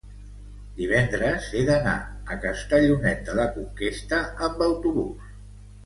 Divendres he d'anar a Castellonet de la Conquesta amb autobús.